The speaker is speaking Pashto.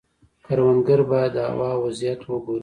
کروندګر باید د هوا وضعیت وګوري.